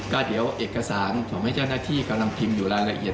ก็เดี๋ยวเอกสารผมให้เจ้าหน้าที่กำลังพิมพ์อยู่รายละเอียด